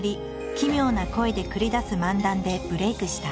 奇妙な声で繰り出す漫談でブレイクした。